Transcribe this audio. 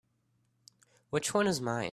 Which one is mine?